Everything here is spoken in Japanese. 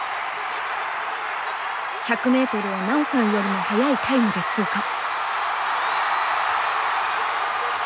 １００ｍを奈緒さんよりも速いタイムで通過。